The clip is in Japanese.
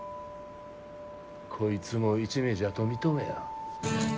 こいつも一味じゃと認めや。